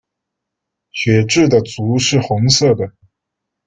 血雉的足是红色的。